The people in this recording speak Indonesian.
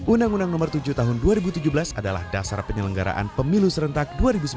undang undang nomor tujuh tahun dua ribu tujuh belas adalah dasar penyelenggaraan pemilu serentak dua ribu sembilan belas